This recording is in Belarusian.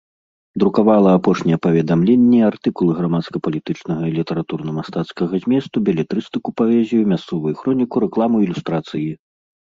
Друкавала апошнія паведамленні, артыкулы грамадска-палітычнага і літаратурна-мастацкага зместу, белетрыстыку, паэзію, мясцовую хроніку, рэкламу, ілюстрацыі.